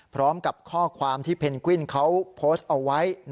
พร้อมกับข้อความที่เพนกวินเขาโพสต์เอาไว้